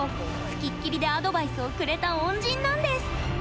付きっきりでアドバイスをくれた恩人なんです。